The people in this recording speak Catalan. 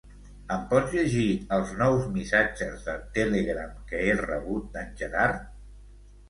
Em pots llegir els nous missatges de Telegram que he rebut d'en Gerard?